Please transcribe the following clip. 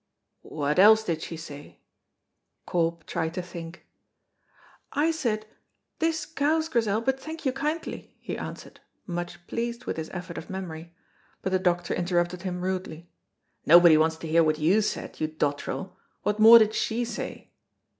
"What else did she say?" Corp tried to think. "I said, 'This cows, Grizel, but thank you kindly,'" he answered, much pleased with his effort of memory, but the doctor interrupted him rudely. "Nobody wants to hear what you said, you dottrel; what more did she say?"